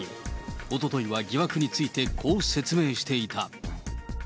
おとといは疑惑について、こう説明していた。